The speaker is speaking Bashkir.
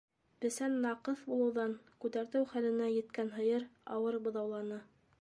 Бесән наҡыҫ булыуҙан күтәртеү хәленә еткән һыйыр ауыр быҙауланы.